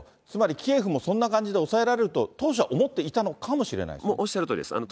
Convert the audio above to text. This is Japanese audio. つまりキエフもそんな感じで抑えられると、当初は思っていたのかおっしゃるとおりです。